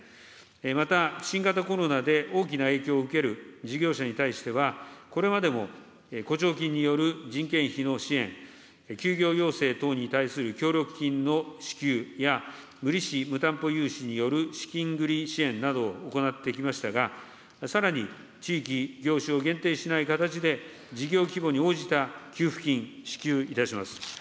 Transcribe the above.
また、新型コロナで大きな影響を受ける事業者に対しては、これまでも雇調金による人件費の支援、休業要請等に対する協力金の支給や、無利子・無担保融資による資金繰り支援などを行ってきましたが、さらに地域、業種を限定しない形で、事業規模に応じた給付金支給いたします。